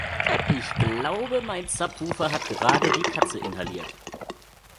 Ich glaube, mein Subwoofer hat gerade die Katze inhaliert.